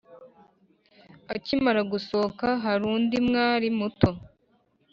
akimara gusohoka hari undi mwali muto